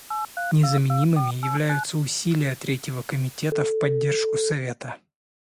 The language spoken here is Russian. Незаменимыми являются усилия Третьего комитета в поддержку Совета.